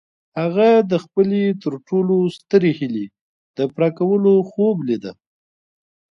هغه د خپلې تر ټولو سترې هيلې د پوره کولو خوب ليده.